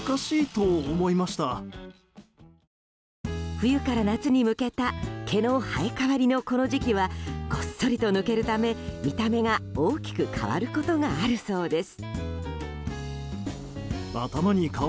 冬から夏に向けた毛の生え変わりのこの時期はごっそりと抜けるため見た目が大きく変わることがあるそうです。